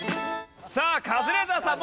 さあカズレーザーさん。